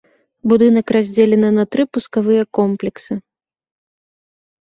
Будынак раздзелены на тры пускавыя комплексы.